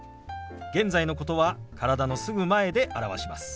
現在のことは体のすぐ前で表します。